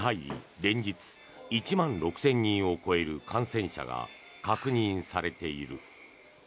連日１万６０００人を超える感染者が確認されている。